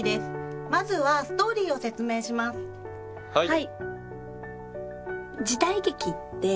はい！